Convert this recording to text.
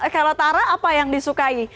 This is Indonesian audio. kalau tara apa yang disukai